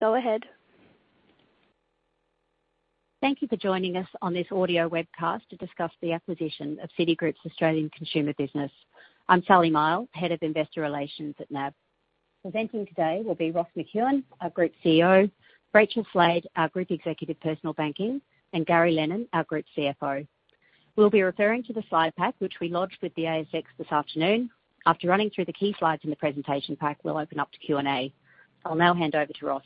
Go ahead. Thank you for joining us on this audio webcast to discuss the acquisition of Citigroup's Australian Consumer Business. I'm Sally Mihell, head of Investor Relations at NAB. Presenting today will be Ross McEwan, our Group CEO, Rachel Slade, our Group Executive, Personal Banking, and Gary Lennon, our Group CFO. We'll be referring to the slide pack, which we lodged with the ASX this afternoon. After running through the key slides in the presentation pack, we'll open up to Q&A. I'll now hand over to Ross.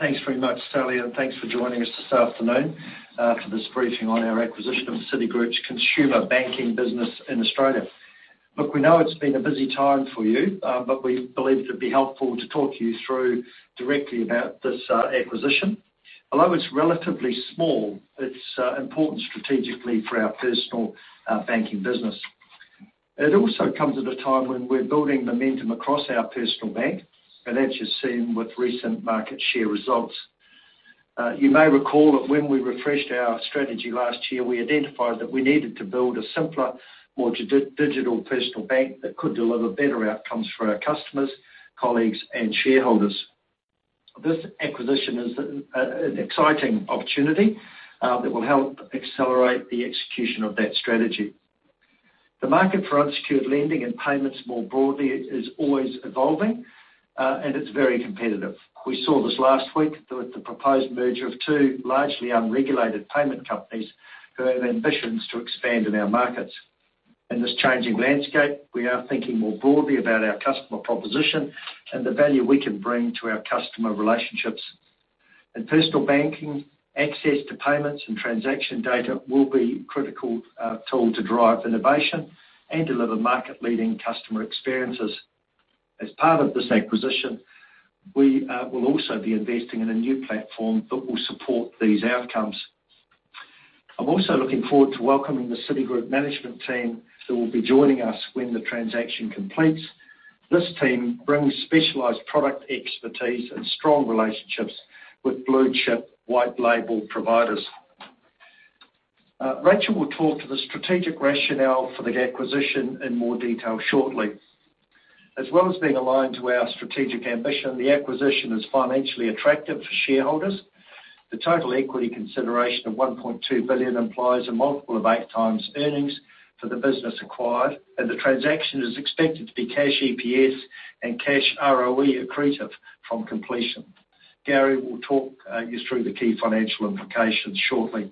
Thanks very much, Sally, and thanks for joining us this afternoon for this briefing on our acquisition of Citigroup's Consumer Banking business in Australia. Look, we know it's been a busy time for you, we believe it'd be helpful to talk you through directly about this acquisition. It's relatively small, it's important strategically for our personal banking business. It also comes at a time when we're building momentum across our Personal Bank, as you've seen with recent market share results. You may recall that when we refreshed our strategy last year, we identified that we needed to build a simpler, more digital personal bank that could deliver better outcomes for our customers, colleagues, and shareholders. This acquisition is an exciting opportunity that will help accelerate the execution of that strategy. The market for unsecured lending and payments more broadly is always evolving, it's very competitive. We saw this last week with the proposed merger of two largely unregulated payment companies who have ambitions to expand in our markets. In this changing landscape, we are thinking more broadly about our customer proposition and the value we can bring to our customer relationships. In personal banking, access to payments and transaction data will be a critical tool to drive innovation and deliver market-leading customer experiences. As part of this acquisition, we will also be investing in a new platform that will support these outcomes. I'm also looking forward to welcoming the Citigroup management team that will be joining us when the transaction completes. This team brings specialized product expertise and strong relationships with blue-chip, white-label providers. Rachel will talk to the strategic rationale for the acquisition in more detail shortly. As well as being aligned to our strategic ambition, the acquisition is financially attractive for shareholders. The total equity consideration of 1.2 billion implies a multiple of 8x earnings for the business acquired, and the transaction is expected to be cash EPS and cash ROE accretive from completion. Gary will talk you through the key financial implications shortly.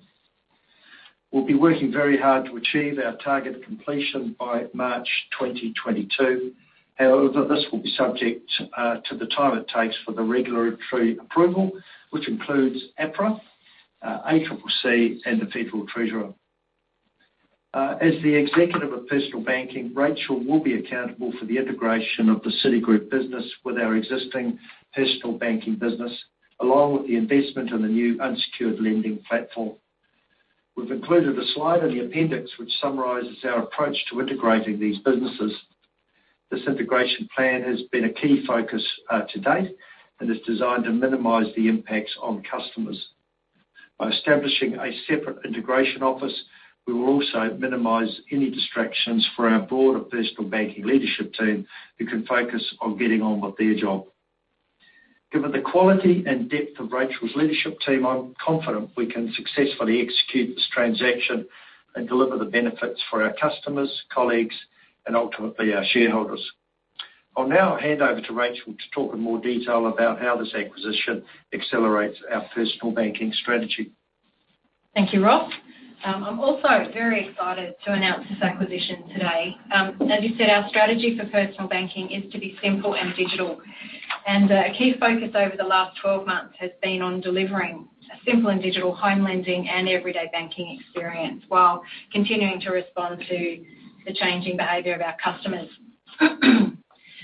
We'll be working very hard to achieve our target completion by March 2022. However, this will be subject to the time it takes for the regulatory approval, which includes APRA, ACCC, and the Federal Treasurer. As the executive of personal banking, Rachel will be accountable for the integration of the Citigroup business with our existing personal banking business, along with the investment in the new unsecured lending platform. We've included a slide in the appendix which summarizes our approach to integrating these businesses. This integration plan has been a key focus to date and is designed to minimize the impacts on customers. By establishing a separate integration office, we will also minimize any distractions for our broader personal banking leadership team, who can focus on getting on with their job. Given the quality and depth of Rachel's leadership team, I'm confident we can successfully execute this transaction and deliver the benefits for our customers, colleagues, and ultimately, our shareholders. I'll now hand over to Rachel to talk in more detail about how this acquisition accelerates our personal banking strategy. Thank you, Ross. I'm also very excited to announce this acquisition today. As you said, our strategy for personal banking is to be simple and digital. A key focus over the last 12 months has been on delivering a simple and digital home lending and everyday banking experience while continuing to respond to the changing behavior of our customers.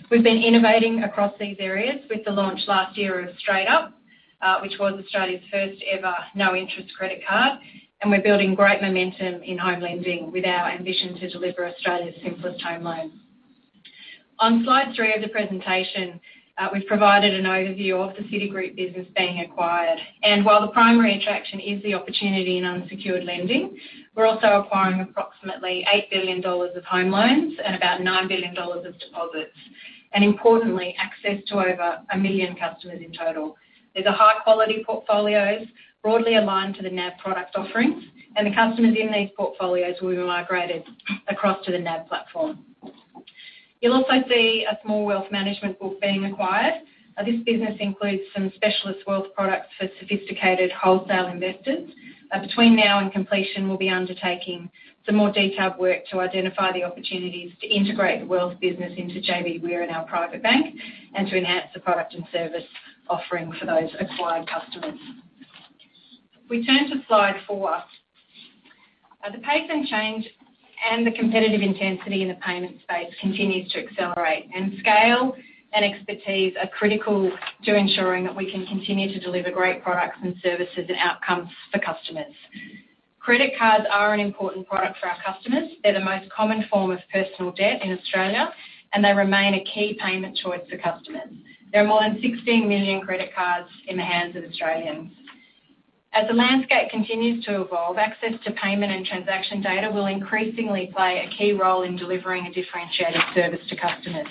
We've been innovating across these areas with the launch last year of StraightUp, which was Australia's first-ever no-interest credit card, and we're building great momentum in home lending with our ambition to deliver Australia's simplest home loan. On slide three of the presentation, we've provided an overview of the Citigroup business being acquired. While the primary attraction is the opportunity in unsecured lending, we're also acquiring approximately 8 billion dollars of home loans and about 9 billion dollars of deposits. Importantly, access to over 1 million customers in total. These are high-quality portfolios broadly aligned to the NAB product offerings. The customers in these portfolios will be migrated across to the NAB platform. You'll also see a small wealth management book being acquired. This business includes some specialist wealth products for sophisticated wholesale investors. Between now and completion, we'll be undertaking some more detailed work to identify the opportunities to integrate the wealth business into JBWere and our private bank and to enhance the product and service offering for those acquired customers. If we turn to slide four. The pace and change and the competitive intensity in the payment space continues to accelerate. Scale and expertise are critical to ensuring that we can continue to deliver great products and services and outcomes for customers. Credit cards are an important product for our customers. They're the most common form of personal debt in Australia, and they remain a key payment choice for customers. There are more than 16 million credit cards in the hands of Australians. The landscape continues to evolve, access to payment and transaction data will increasingly play a key role in delivering a differentiated service to customers.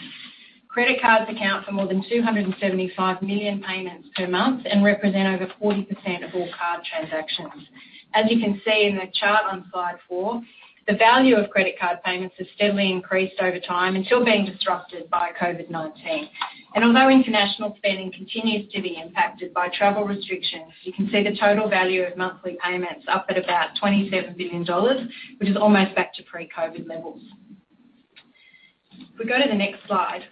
Credit cards account for more than 275 million payments per month and represent over 40% of all card transactions. You can see in the chart on slide four, the value of credit card payments has steadily increased over time until being disrupted by COVID-19. Although international spending continues to be impacted by travel restrictions, you can see the total value of monthly payments up at about 27 billion dollars, which is almost back to pre-COVID levels. If we go to the next slide,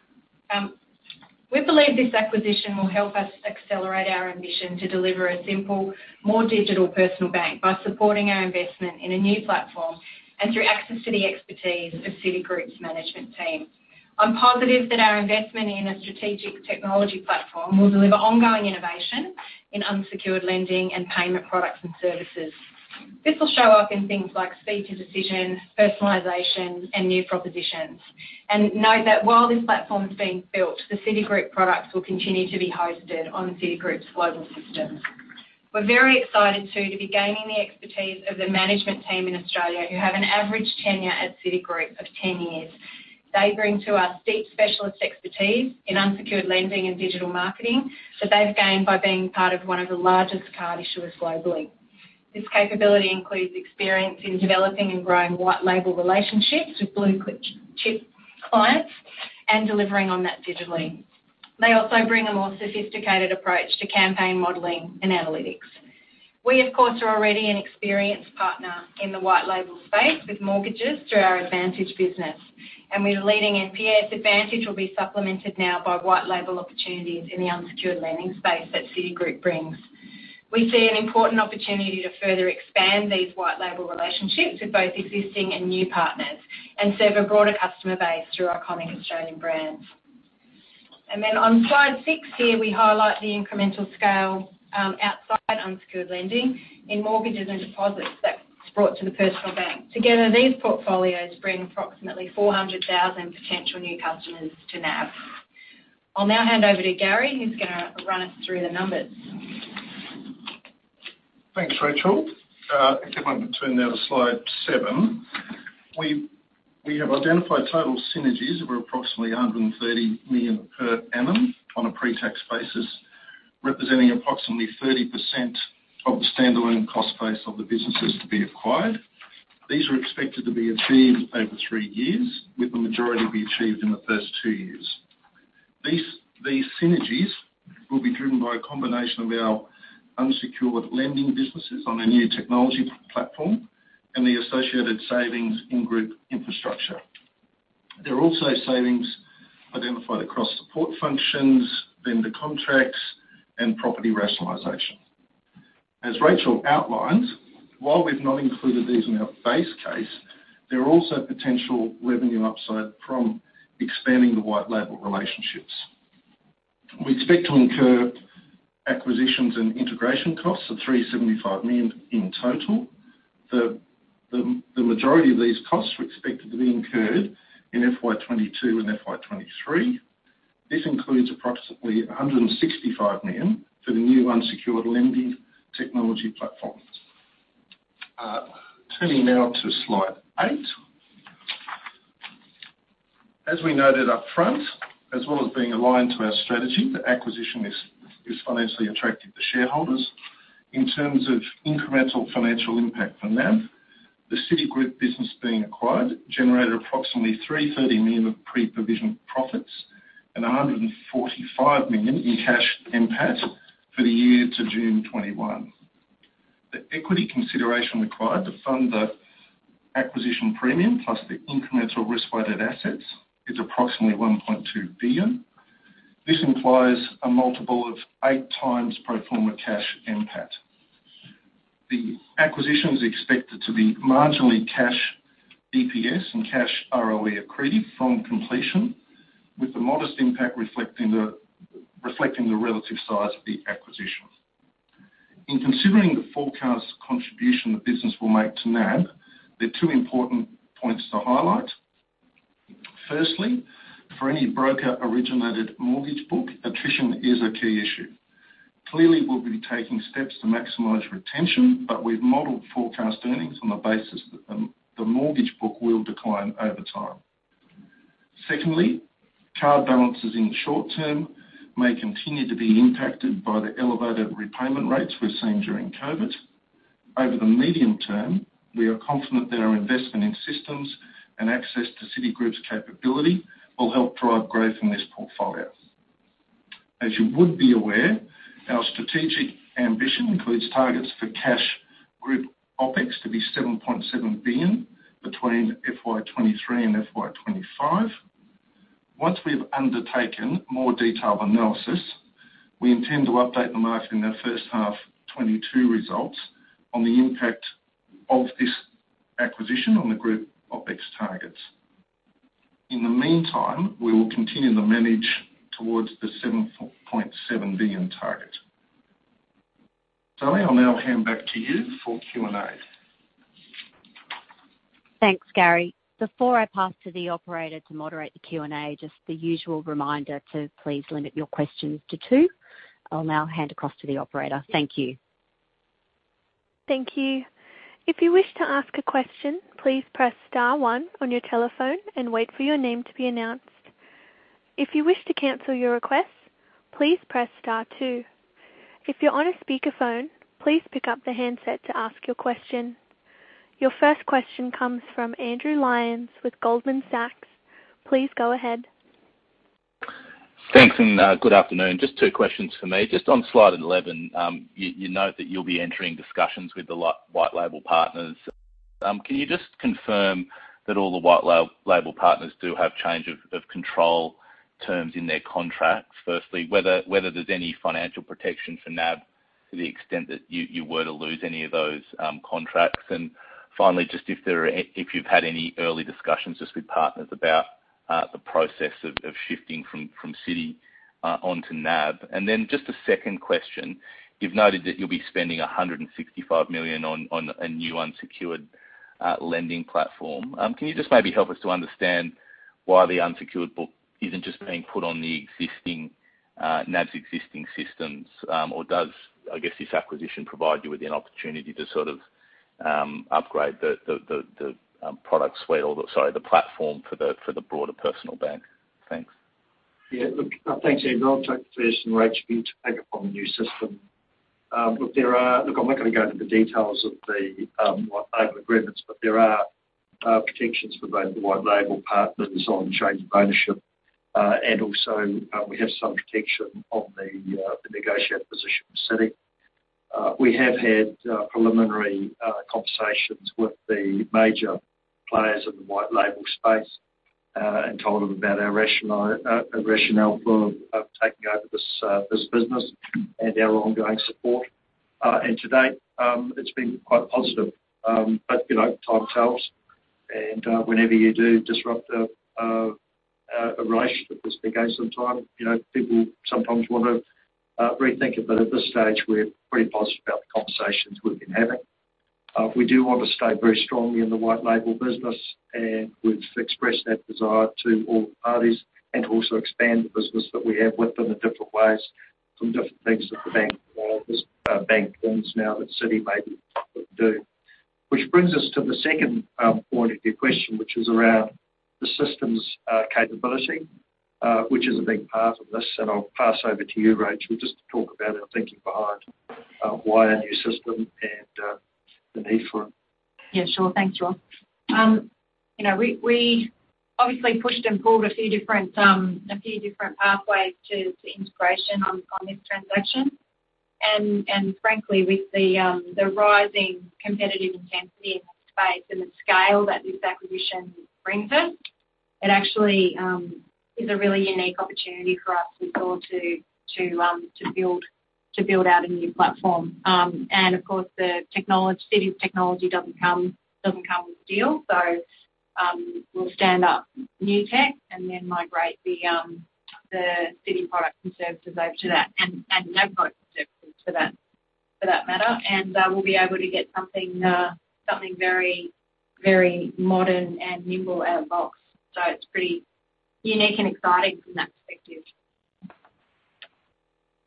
we believe this acquisition will help us accelerate our ambition to deliver a simple, more digital personal bank by supporting our investment in a new platform and through access to the expertise of Citigroup's management team. I'm positive that our investment in a strategic technology platform will deliver ongoing innovation in unsecured lending and payment products and services. This will show up in things like speed to decision, personalization, and new propositions. Note that while this platform is being built, the Citigroup products will continue to be hosted on Citigroup's global systems. We're very excited too, to be gaining the expertise of the management team in Australia, who have an average tenure at Citigroup of 10 years. They bring to us deep specialist expertise in unsecured lending and digital marketing that they've gained by being part of one of the largest card issuers globally. This capability includes experience in developing and growing white label relationships with blue chip clients and delivering on that digitally. They also bring a more sophisticated approach to campaign modeling and analytics. We, of course, are already an experienced partner in the white label space with mortgages through our Advantedge business. We are leading in Advantedge, will be supplemented now by white label opportunities in the unsecured lending space that Citigroup brings. We see an important opportunity to further expand these white label relationships with both existing and new partners, and serve a broader customer base through our iconic Australian brands. On slide six here, we highlight the incremental scale outside unsecured lending in mortgages and deposits that's brought to the personal bank. Together, these portfolios bring approximately 400,000 potential new customers to NAB. I'll now hand over to Gary, who's going to run us through the numbers. Thanks, Rachel. If everyone could turn now to slide seven. We have identified total synergies of approximately 130 million per annum on a pre-tax basis, representing approximately 30% of the standalone cost base of the businesses to be acquired. These are expected to be achieved over three years, with the majority to be achieved in the first two years. These synergies will be driven by a combination of our unsecured lending businesses on the new technology platform and the associated savings in group infrastructure. There are also savings identified across support functions, vendor contracts, and property rationalization. As Rachel outlined, while we've not included these in our base case, there are also potential revenue upside from expanding the white label relationships. We expect to incur acquisitions and integration costs of 375 million in total. The majority of these costs we expect to be incurred in FY 2022 and FY 2023. This includes approximately 165 million for the new unsecured lending technology platform. Turning now to slide eight. As we noted upfront, as well as being aligned to our strategy, the acquisition is financially attractive to shareholders. In terms of incremental financial impact for NAB, the Citigroup business being acquired generated approximately 330 million of pre-provision profits and 145 million in cash NPAT for the year to June 2021. The equity consideration required to fund the acquisition premium plus the incremental risk-weighted assets is approximately 1.2 billion. This implies a multiple of 8x pro forma cash NPAT. The acquisition is expected to be marginally cash EPS and cash ROE accretive from completion, with the modest impact reflecting the relative size of the acquisition. In considering the forecast contribution the business will make to NAB, there are two important points to highlight. Firstly, for any broker-originated mortgage book, attrition is a key issue. Clearly, we'll be taking steps to maximize retention, but we've modeled forecast earnings on the basis that the mortgage book will decline over time. Secondly, card balances in the short term may continue to be impacted by the elevated repayment rates we're seeing during COVID. Over the medium term, we are confident that our investment in systems and access to Citigroup's capability will help drive growth in this portfolio. As you would be aware, our strategic ambition includes targets for cash group OpEx to be 7.7 billion between FY 2023 and FY 2025. Once we've undertaken more detailed analysis, we intend to update the market in our first half 2022 results on the impact of this acquisition on the group OpEx targets. In the meantime, we will continue to manage towards the 7.7 billion target. Sally, I'll now hand back to you for Q&A. Thanks, Gary. Before I pass to the operator to moderate the Q&A, just the usual reminder to please limit your questions to two. I'll now hand across to the operator. Thank you. Thank you. If you wish to ask a question, please press star one on your telephone and wait for your name to be announced. If you wish to cancel your request, please press star two. If you're on a speakerphone, please pick up the handset to ask your question. Your first question comes from Andrew Lyons with Goldman Sachs. Please go ahead. Thanks, good afternoon. Just two questions for me. Just on slide 11, you note that you'll be entering discussions with the white label partners. Can you just confirm that all the white label partners do have change of control terms in their contracts, firstly, whether there's any financial protection for NAB to the extent that you were to lose any of those contracts? Finally, just if you've had any early discussions just with partners about the process of shifting from Citi onto NAB. Just a second question. You've noted that you'll be spending 165 million on a new unsecured lending platform. Can you just maybe help us to understand why the unsecured book isn't just being put on the NAB's existing systems? Does, I guess, this acquisition provide you with an opportunity to sort of upgrade the platform for the broader personal bank? Thanks. Yeah. Look, thanks, Andrew. I'll take the first, and Rach to pick up on the new system. Look, I'm not going to go into the details of the white label agreements, but there are protections for both the white label partners on change of ownership. Also, we have some protection on the negotiated position with Citi. We have had preliminary conversations with the major players in the white label space, and told them about our rationale for taking over this business and our ongoing support. To date, it's been quite positive. Time tells, and whenever you do disrupt a relationship that's been going some time, people sometimes want to rethink it. At this stage, we're pretty positive about the conversations we've been having. We do want to stay very strongly in the white label business, and we've expressed that desire to all parties, and also expand the business that we have with them in different ways from different things that the bank owns now that Citi maybe wouldn't do. Which brings us to the second point of your question, which is around the system's capability, which is a big part of this. I'll pass over to you, Rachel, just to talk about our thinking behind why a new system and the need for it. Yeah, sure. Thanks, Ross. We obviously pushed and pulled a few different pathways to integration on this transaction. Frankly, with the rising competitive intensity in that space and the scale that this acquisition brings us, it actually is a really unique opportunity for us, we thought, to build out a new platform. Of course, the Citi's technology doesn't come with a deal. We'll stand up new tech and then migrate the Citi products and services over to that, and NAB products and services for that matter. We'll be able to get something very modern and nimble out of box. It's pretty unique and exciting from that perspective.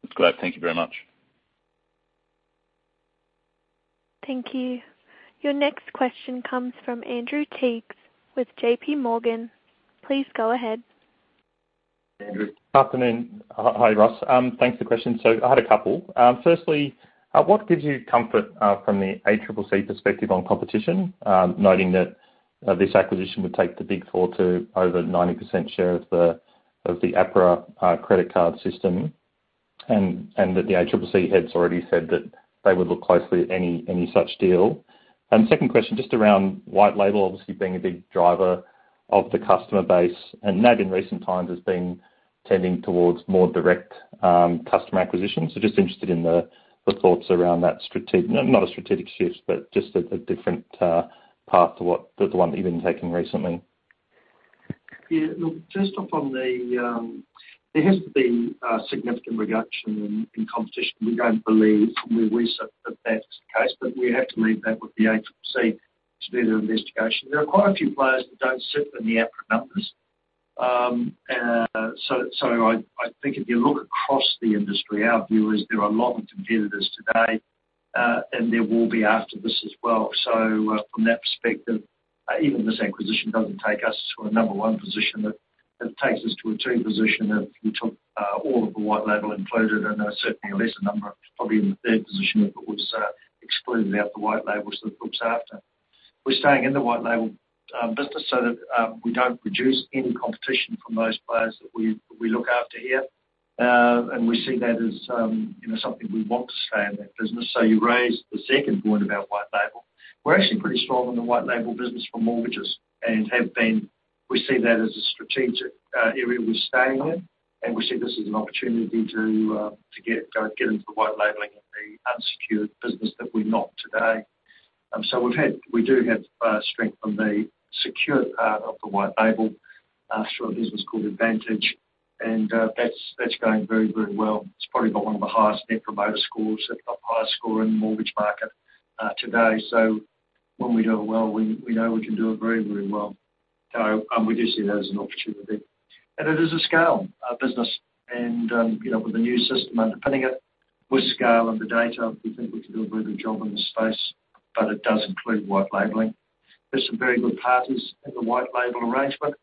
That's great. Thank you very much. Thank you. Your next question comes from Andrew Triggs with JP Morgan. Please go ahead. Andrew. Afternoon. Hi, Ross. Thanks for the question. I had a couple. Firstly, what gives you comfort from the ACCC perspective on competition? Noting that this acquisition would take the Big Four to over 90% share of the APRA credit card system, and that the ACCC heads already said that they would look closely at any such deal. Second question, just around white label, obviously being a big driver of the customer base, and NAB in recent times has been tending towards more direct customer acquisition. Just interested in the thoughts around that, not a strategic shift, but just a different path to the one that you've been taking recently. There hasn't been a significant reduction in competition. We don't believe from our research that that's the case, but we have to leave that with the ACCC to do their investigation. There are quite a few players that don't sit in the APRA numbers. I think if you look across the industry, our view is there are a lot of competitors today, and there will be after this as well. From that perspective, even this acquisition doesn't take us to a number one position. It takes us to a three position if you took all of the white label included, and certainly a lesser number, probably in the third position if it was excluding out the white labels that the group's after. We're staying in the white label business so that we don't reduce any competition from those players that we look after here. We see that as something we want to stay in that business. You raised the second point about white label. We're actually pretty strong in the white label business for mortgages, and have been. We see that as a strategic area we're staying in, and we see this as an opportunity to get into the white labeling in the unsecured business that we're not today. We do have strength on the secured part of the white label through a business called Advantedge. And that's going very, very well. It's probably got one of the highest net promoter scores, if not the highest score in the mortgage market today. When we do it well, we know we can do it very, very well. We do see that as an opportunity. It is a scale business. With the new system underpinning it, with scale and the data, we think we can do a really good job in the space, but it does include white labeling. There's some very good partners in the white label arrangement,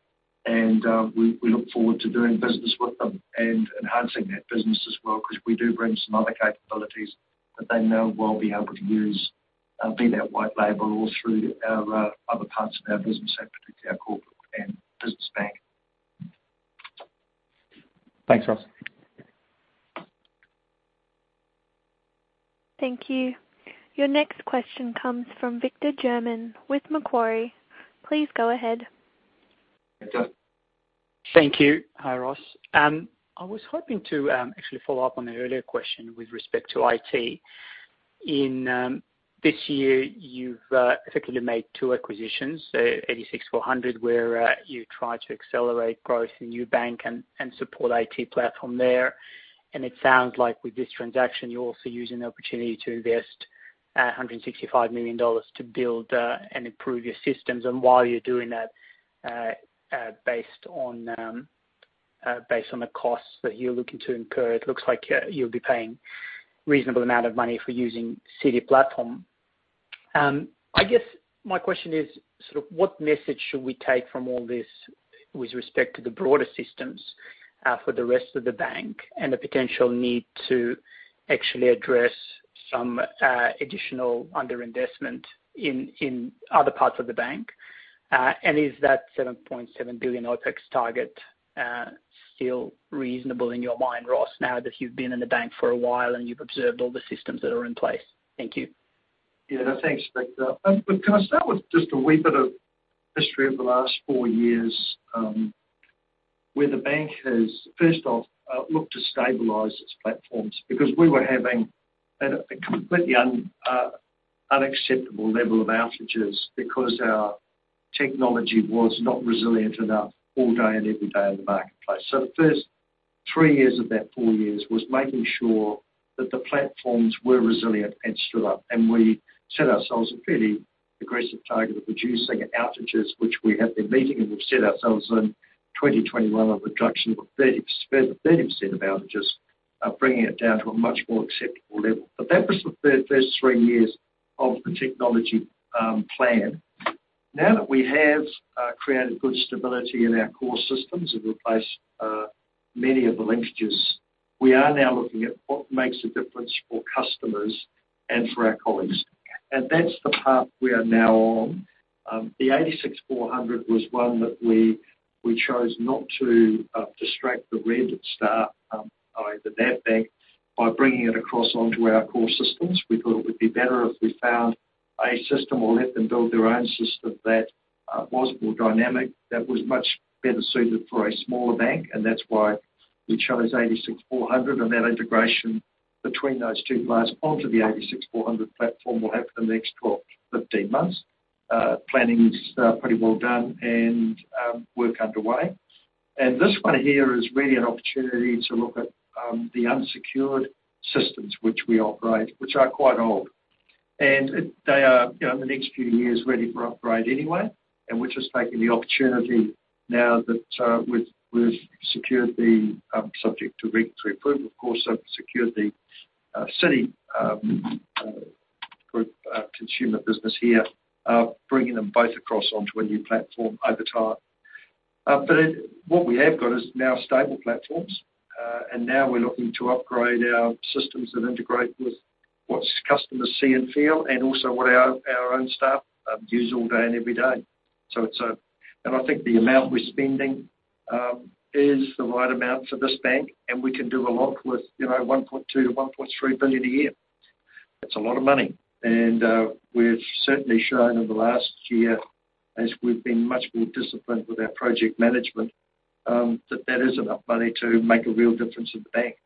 and we look forward to doing business with them and enhancing that business as well, because we do bring some other capabilities that they know we'll be able to use, be that white label or through our other parts of our business, and particularly our Corporate and Business Bank. Thanks, Ross. Thank you. Your next question comes from Victor German with Macquarie. Please go ahead. Victor. Thank you. Hi, Ross. I was hoping to actually follow up on an earlier question with respect to IT. In this year, you've effectively made two acquisitions, 86 400, where you try to accelerate growth in ubank and support IT platform there. It sounds like with this transaction, you're also using the opportunity to invest 165 million dollars to build and improve your systems. While you're doing that, based on the costs that you're looking to incur, it looks like you'll be paying reasonable amount of money for using Citi platform. I guess my question is sort of what message should we take from all this with respect to the broader systems for the rest of the bank and the potential need to actually address some additional underinvestment in other parts of the bank? Is that 7.7 billion OpEx target still reasonable in your mind, Ross, now that you've been in the bank for a while and you've observed all the systems that are in place? Thank you. Thanks, Victor. Can I start with just a wee bit of history of the last four years, where the bank has, first off, looked to stabilize its platforms. We were having a completely unacceptable level of outages because our technology was not resilient enough all day and every day in the marketplace. The first three years of that four years was making sure that the platforms were resilient and stood up. We set ourselves a fairly aggressive target of reducing outages, which we have been meeting, and we've set ourselves in 2021 a reduction of 30%, about just bringing it down to a much more acceptable level. That was the first three years of the technology plan. Now that we have created good stability in our core systems and replaced many of the linkages, we are now looking at what makes a difference for customers and for our colleagues. That's the path we are now on. The 86 400 was one that we chose not to distract the [red staff, the bad bank], by bringing it across onto our core systems. We thought it would be better if we found a system or let them build their own system that was more dynamic, that was much better suited for a smaller bank, and that's why we chose 86 400. That integration between those two guys onto the 86 400 platform will happen in the next 12-15 months. Planning's pretty well done and work underway. This one here is really an opportunity to look at the unsecured systems which we operate, which are quite old. They are, in the next few years, ready for upgrade anyway. We're just taking the opportunity now that we've secured the, subject to regulatory approval, of course, secured the Citigroup consumer business here, bringing them both across onto a new platform over time. What we have got is now stable platforms. Now we're looking to upgrade our systems and integrate with what customers see and feel and also what our own staff use all day and every day. I think the amount we're spending is the right amount for this bank, and we can do a lot with 1.2 billion-1.3 billion a year. That's a lot of money. We've certainly shown in the last year, as we've been much more disciplined with our project management, that that is enough money to make a real difference in the bank.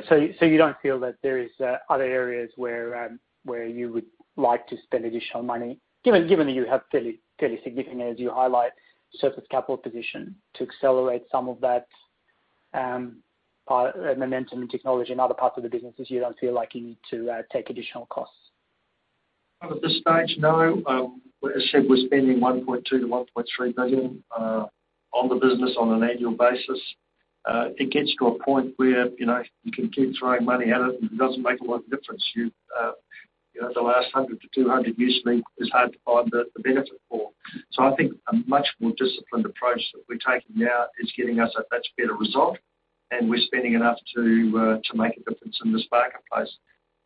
You don't feel that there is other areas where you would like to spend additional money, given that you have fairly significant, as you highlight, surplus capital position to accelerate some of that momentum and technology in other parts of the business, is you don't feel like you need to take additional costs? At this stage, no. As I said, we're spending 1.2 billion-1.3 billion on the business on an annual basis. It gets to a point where you can keep throwing money at it, and it doesn't make a lot of difference. The last 100 million-200 million usually is hard to find the benefit for. I think a much more disciplined approach that we're taking now is getting us a much better result, and we're spending enough to make a difference in this marketplace.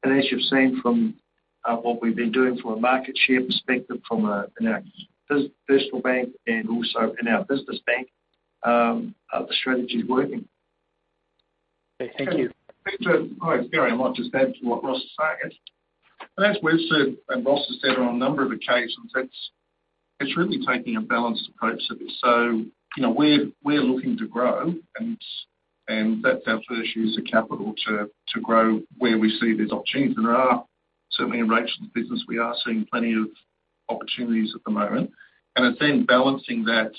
As you've seen from what we've been doing from a market share perspective, from in our personal bank and also in our business bank, the strategy's working. Okay, thank you. Victor. Hi, Gary. I might just add to what Ross is saying is, and as we've said, and Ross has said on a number of occasions, it's really taking a balanced approach to this. We're looking to grow, and that's our first use of capital to grow where we see there's opportunities. Certainly in Rachel's business, we are seeing plenty of opportunities at the moment. I think balancing that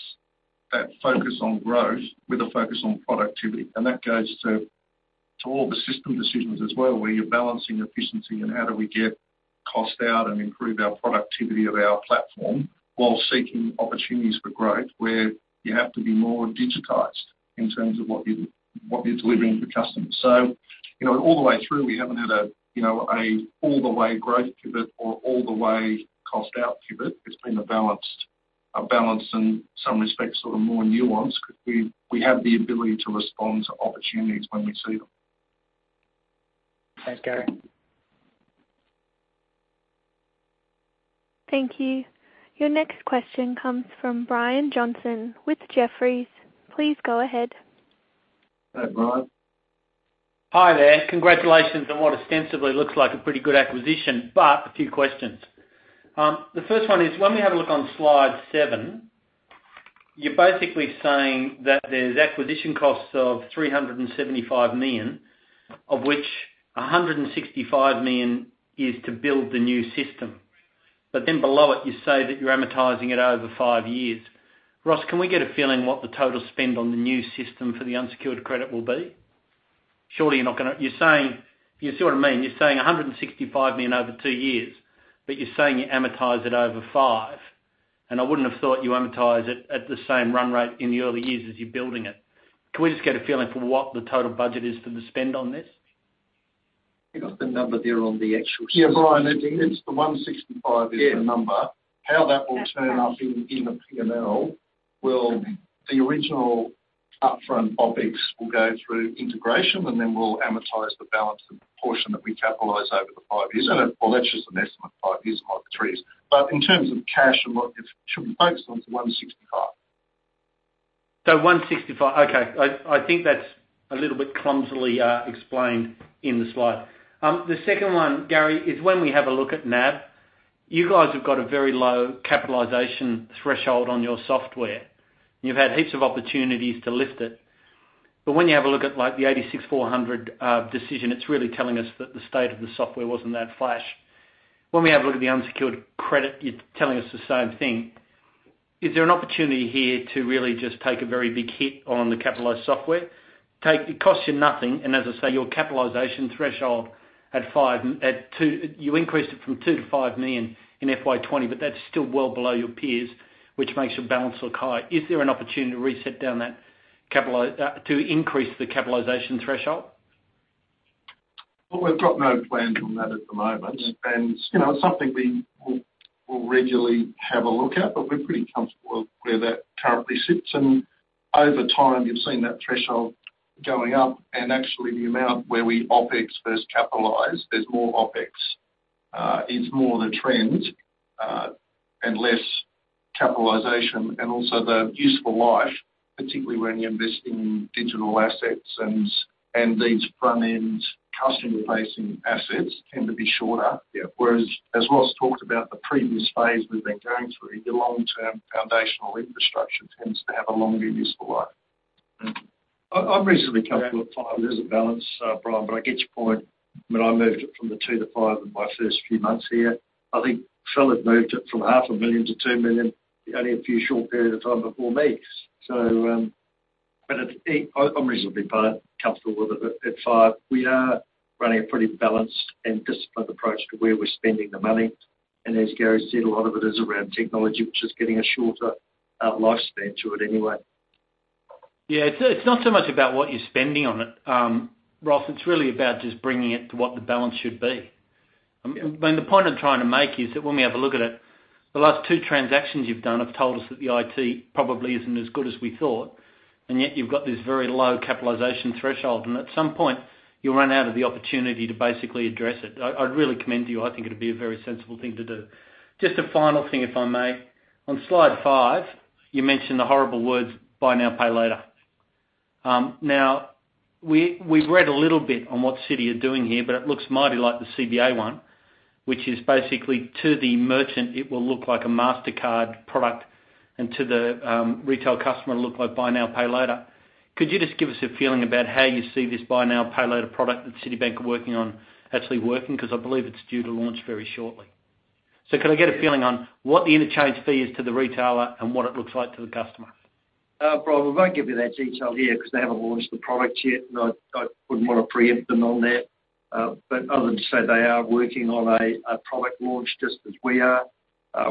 focus on growth with a focus on productivity, and that goes to all the system decisions as well, where you're balancing efficiency and how do we get cost out and improve our productivity of our platform while seeking opportunities for growth, where you have to be more digitized in terms of what you're delivering to customers. All the way through, we haven't had an all-the-way growth pivot or all-the-way cost-out pivot. It's been a balance, in some respects, sort of more nuanced because we have the ability to respond to opportunities when we see them. Thanks, Gary. Thank you. Your next question comes from Brian Johnson with Jefferies. Please go ahead. Hi, Brian. Hi there. Congratulations on what ostensibly looks like a pretty good acquisition, a few questions. The first one is, when we have a look on slide seven, you're basically saying that there's acquisition costs of 375 million, of which 165 million is to build the new system. Below it, you say that you're amortizing it over five years. Ross, can we get a feeling what the total spend on the new system for the unsecured credit will be? You see what I mean? You're saying 165 million over two years, you're saying you amortize it over five, I wouldn't have thought you amortize it at the same run rate in the early years as you're building it. Can we just get a feeling for what the total budget is for the spend on this? I think that's the number there. Yeah, Brian, it's the 165 million. Yeah. Is the number. How that will turn up in the P&L will, the original upfront OpEx will go through integration, then we'll amortize the balance and proportion that we capitalize over the five years. That's just an estimate, five years, might be three years. In terms of cash and what it should be focused on, it's 165 million. 165 million. Okay. I think that's a little bit clumsily explained in the slide. The second one, Gary, is when we have a look at NAB, you guys have got a very low capitalization threshold on your software, and you've had heaps of opportunities to lift it. When you have a look at the 86 400 decision, it's really telling us that the state of the software wasn't that flash. When we have a look at the unsecured credit, you're telling us the same thing. Is there an opportunity here to really just take a very big hit on the capitalized software? It costs you nothing, and as I say, your capitalization threshold, you increased it from 2 million to 5 million in FY 2020, that's still well below your peers, which makes your balance look high. Is there an opportunity to reset down that to increase the capitalization threshold? Well, we've got no plans on that at the moment. Yeah. It's something we will regularly have a look at, but we're pretty comfortable where that currently sits. Over time, you've seen that threshold going up, and actually the amount where we OpEx versus capitalize, there's more OpEx is more the trend, and less capitalization, and also the useful life, particularly when you invest in digital assets and these front-end customer-facing assets tend to be shorter. Yeah. As Ross talked about the previous phase we've been going through, your long-term foundational infrastructure tends to have a longer useful life. I'm reasonably comfortable at five as a balance, Brian, but I get your point. I moved it from the two to five in my first few months here. I think Phil had moved it from 0.5 million to 2 million only a few short period of time before me. I'm reasonably quite comfortable with it at five. We are running a pretty balanced and disciplined approach to where we're spending the money. As Gary said, a lot of it is around technology, which is getting a shorter lifespan to it anyway. Yeah. It's not so much about what you're spending on it, Ross. It's really about just bringing it to what the balance should be. Yeah. I mean, the point I'm trying to make is that when we have a look at it, the last two transactions you've done have told us that the IT probably isn't as good as we thought, and yet you've got this very low capitalization threshold, and at some point you'll run out of the opportunity to basically address it. I'd really commend you. I think it'd be a very sensible thing to do. Just a final thing, if I may. On slide five, you mentioned the horrible words "buy now, pay later." We've read a little bit on what Citi are doing here, but it looks mighty like the CBA one, which is basically to the merchant, it will look like a Mastercard product, and to the retail customer, it'll look like buy now, pay later. Could you just give us a feeling about how you see this buy now, pay later product that Citibank are working on actually working? I believe it's due to launch very shortly. Could I get a feeling on what the interchange fee is to the retailer and what it looks like to the customer? Brian, we won't give you that detail here because they haven't launched the product yet. I wouldn't want to preempt them on that. Other than to say they are working on a product launch just as we are.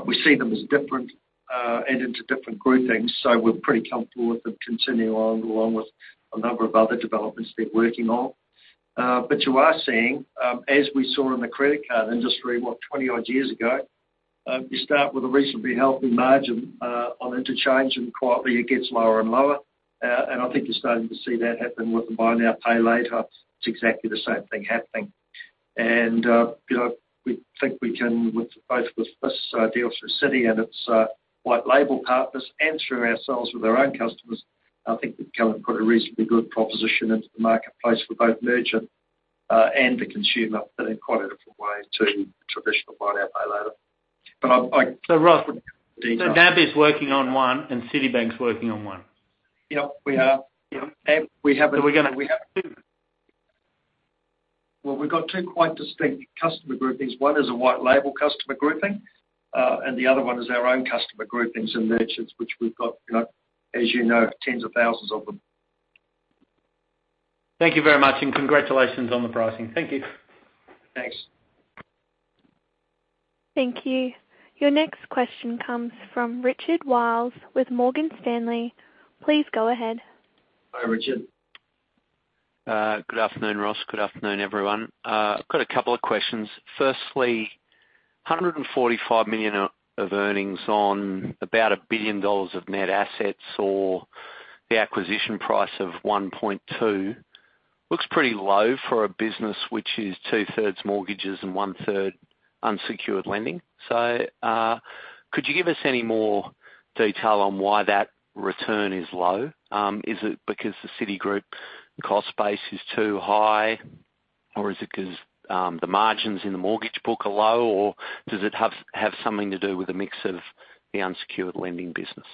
We see them as different and into different groupings. We're pretty comfortable with them continuing on along with a number of other developments they're working on. You are seeing, as we saw in the credit card industry, what, 20-odd years ago, you start with a reasonably healthy margin on interchange. Quietly it gets lower and lower. I think you're starting to see that happen with the buy now, pay later. It's exactly the same thing happening. We think we can, both with this deal through Citi and its white label partners and through ourselves with our own customers, I think we can put a reasonably good proposition into the marketplace for both merchant and the consumer, but in quite a different way to traditional buy now, pay later. Ross- Detail. NAB is working on one and Citibank's working on one? Yep, we are. We're going to. Well, we've got two quite distinct customer groupings. One is a white label customer grouping, the other one is our own customer groupings and merchants, which we've got, as you know, tens of thousands of them. Thank you very much, and congratulations on the pricing. Thank you. Thanks. Thank you. Your next question comes from Richard Wiles with Morgan Stanley. Please go ahead. Hi, Richard. Good afternoon, Ross. Good afternoon, everyone. I've got a couple of questions. Firstly, 145 million of earnings on about 1 billion dollars of net assets, or the acquisition price of 1.2 billion looks pretty low for a business which is 2/3 mortgages and 1/3 unsecured lending. Could you give us any more detail on why that return is low? Is it because the Citigroup cost base is too high, or is it because the margins in the mortgage book are low, or does it have something to do with the mix of the unsecured lending business?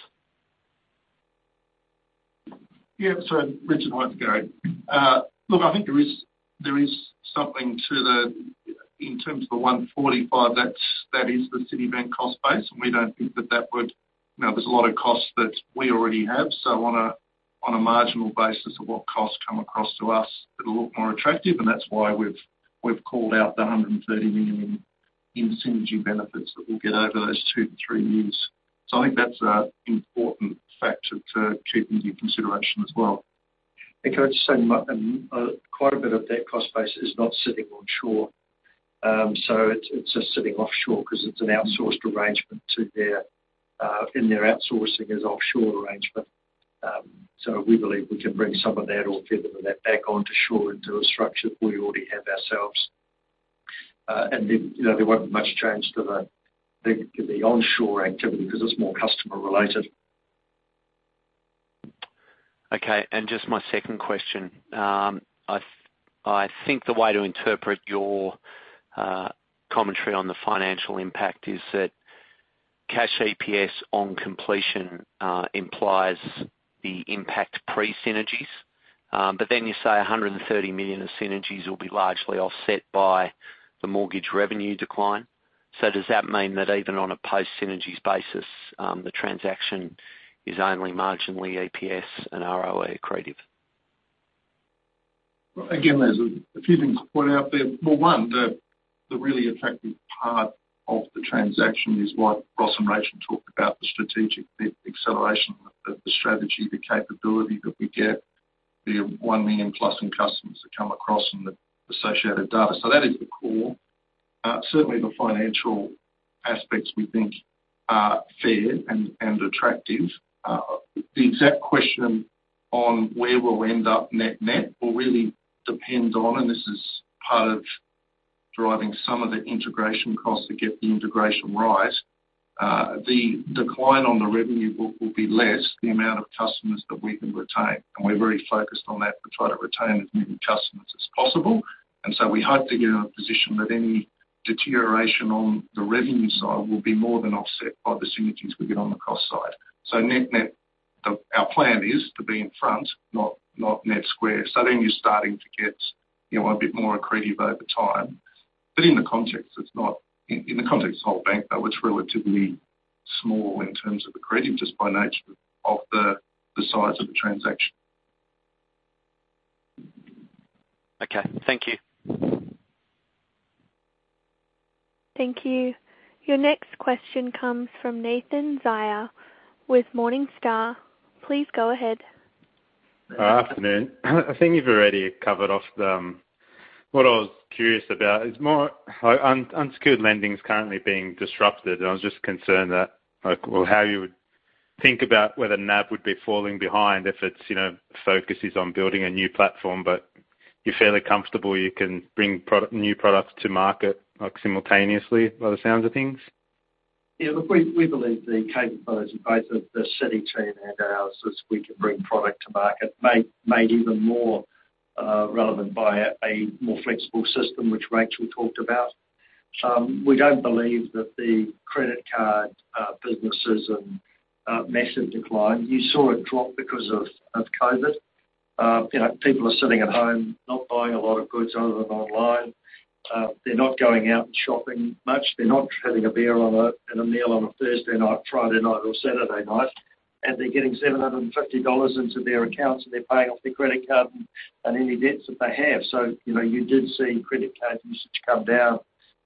Yeah. Richard, hi, it's Gary. Look, I think there is something to the, in terms of the 145 million, that is the Citibank cost base. There's a lot of costs that we already have. On a marginal basis of what costs come across to us, it'll look more attractive, and that's why we've called out the 130 million in synergy benefits that we'll get over those two to three years. I think that's an important factor to keep into consideration as well. Can I just say, quite a bit of that cost base is not sitting onshore. It's just sitting offshore because it's an outsourced arrangement to their, in their outsourcing as offshore arrangement. We believe we can bring some of that or a fair bit of that back onto shore into a structure that we already have ourselves. Then, there won't be much change to the onshore activity because it's more customer related. Okay. Just my second question, I think the way to interpret your commentary on the financial impact is that cash EPS on completion implies the impact pre-synergies. You say 130 million of synergies will be largely offset by the mortgage revenue decline. Does that mean that even on a post synergies basis, the transaction is only marginally EPS and ROE accretive? Well, again, there's a few things to point out there. Well, one, the really attractive part of the transaction is what Ross and Rachel talked about, the strategic fit, the acceleration of the strategy, the capability that we get, the 1+ million in customers that come across and the associated data. That is the core. Certainly, the financial aspects we think are fair and attractive. The exact question on where we'll end up net will really depend on, and this is part of driving some of the integration costs to get the integration right. The decline on the revenue book will be less the amount of customers that we can retain, and we're very focused on that to try to retain as many customers as possible. We hope to get in a position that any deterioration on the revenue side will be more than offset by the synergies we get on the cost side. Net-net, our plan is to be in front, not net square. You're starting to get a bit more accretive over time. In the context of the whole bank, though, it's relatively small in terms of accretive just by nature of the size of the transaction. Okay. Thank you. Thank you. Your next question comes from Nathan Zaia with Morningstar. Please go ahead. Good afternoon. I think you've already covered off what I was curious about. It's more, unsecured lending is currently being disrupted, and I was just concerned that, well, how you would think about whether NAB would be falling behind if its focus is on building a new platform, but you're fairly comfortable you can bring new products to market simultaneously, by the sounds of things? Yeah, look, we believe the capabilities of both the Citi team and ours is we can bring product to market, made even more relevant by a more flexible system, which Rachel talked about. We don't believe that the credit card business is in massive decline. You saw it drop because of COVID. People are sitting at home not buying a lot of goods other than online. They're not going out and shopping much. They're not having a beer and a meal on a Thursday night, Friday night, or Saturday night. They're getting 750 dollars into their accounts, and they're paying off their credit card and any debts that they have. You did see credit card usage come down.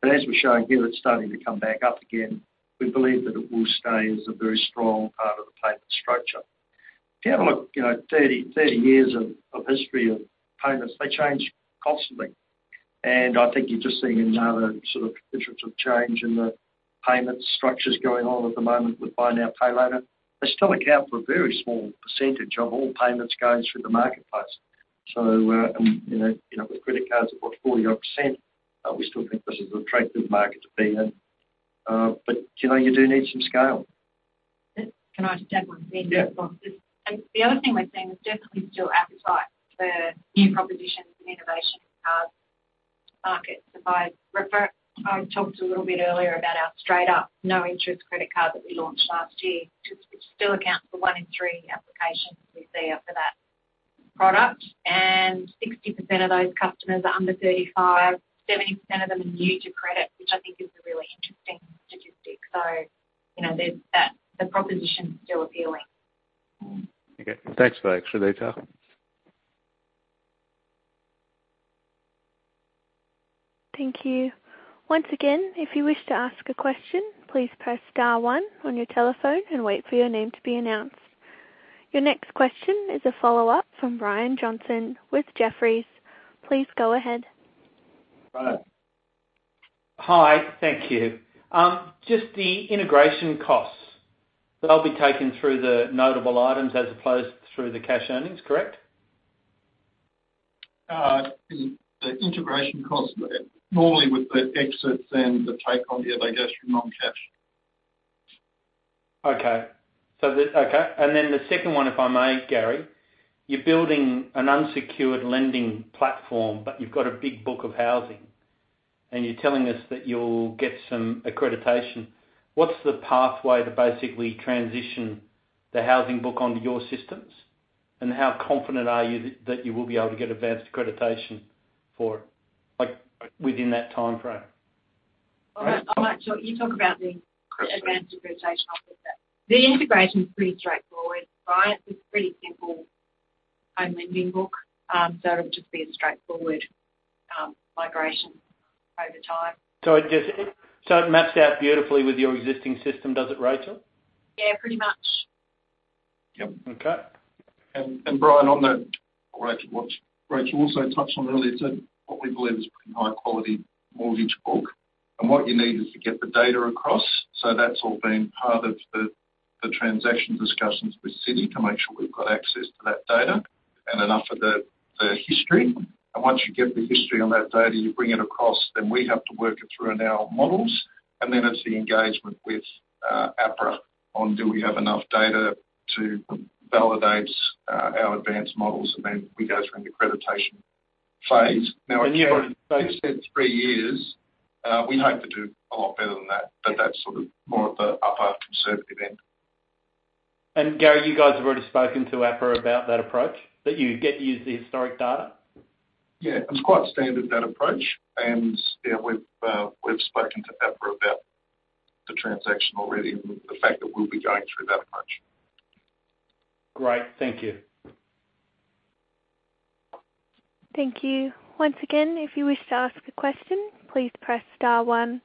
As we're showing here, it's starting to come back up again. We believe that it will stay as a very strong part of the payment structure. If you have a look, 30 years of history of payments, they change constantly. I think you're just seeing another sort of iterative change in the payment structures going on at the moment with buy now, pay later. They still account for a very small percentage of all payments going through the marketplace. With credit cards at, what, 40 odd percent, we still think this is an attractive market to be in. You do need some scale. Can I just add one thing? Yeah. The other thing we're seeing is definitely still appetite for new propositions and innovation in cards market. If I talked a little bit earlier about our StraightUp, no-interest credit card that we launched last year, which still accounts for one in three applications we see are for that product. 60% of those customers are under 35, 70% of them are new to credit, which I think is a really interesting statistic. The proposition is still appealing. Okay. Thanks, folks, for the detail. Thank you. Once again, if you wish to ask a question, please press star one on your telephone and wait for your name to be announced. Your next question is a follow-up from Brian Johnson with Jefferies. Please go ahead. Hi. Thank you. Just the integration costs, they'll be taken through the notable items as opposed through the cash earnings, correct? The integration costs normally with the exits and the take on the other goes through non-cash. Okay. The second one, if I may, Gary. You're building an unsecured lending platform, but you've got a big book of housing, and you're telling us that you'll get some accreditation. What's the pathway to basically transition the housing book onto your systems? How confident are you that you will be able to get advanced accreditation for it, within that timeframe? You talk about the advanced accreditation offset. The integration is pretty straightforward, Brian. It's a pretty simple home lending book, so it'll just be a straightforward migration over time. It maps out beautifully with your existing system, does it, Rachel? Yeah, pretty much. Yep. Okay. Brian, on that, Rachel also touched on earlier, too, what we believe is pretty high-quality mortgage book. What you need is to get the data across, so that's all been part of the transaction discussions with Citi to make sure we've got access to that data and enough of the history. Once you get the history on that data, you bring it across, then we have to work it through in our models, and then it's the engagement with APRA on do we have enough data to validate our advanced models, and then we go through an accreditation phase. Now, you said three years. We hope to do a lot better than that, but that's sort of more at the upper conservative end. Gary, you guys have already spoken to APRA about that approach, that you get to use the historic data? It's quite standard, that approach. We've spoken to APRA about the transaction already and the fact that we'll be going through that approach. Great. Thank you. Thank you. Once again, if you wish to ask a question, please press star one.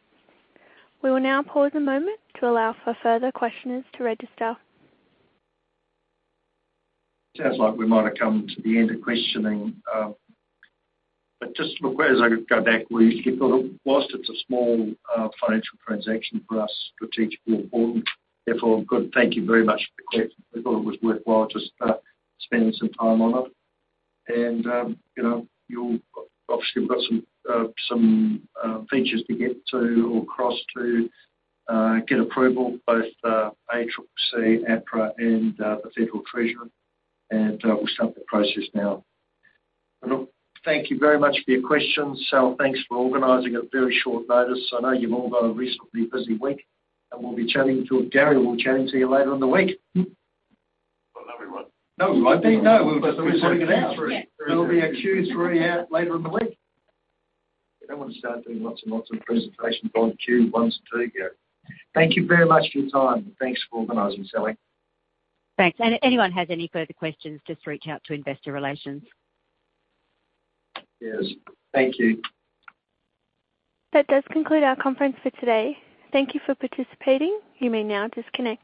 We will now pause a moment to allow for further questioners to register. Sounds like we might have come to the end of questioning. Just as I go back, whilst it's a small financial transaction for us, strategically important. Thank you very much for the questions. We thought it was worthwhile to start spending some time on it. Obviously, we've got some features to get to or cross to get approval, both ACCC, APRA, and the Federal Treasurer, and we'll start the process now. Thank you very much for your questions. Sal, thanks for organizing it very short notice. I know you've all got a reasonably busy week, and we'll be chatting to you, or Gary will chat to you later in the week. Well, not for everyone. You won't be. No. We'll be sending it out. There'll be a Q3 out later in the week. We don't want to start doing lots and lots of presentations on Q1s and 2, Gary. Thank you very much for your time. Thanks for organizing, Sally. Thanks. If anyone has any further questions, just reach out to Investor Relations. Yes. Thank you. That does conclude our conference for today. Thank you for participating. You may now disconnect.